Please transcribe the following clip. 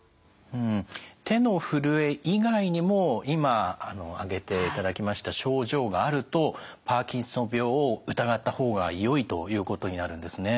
手のふるえ以外にも今挙げていただきました症状があるとパーキンソン病を疑った方がよいということになるんですね。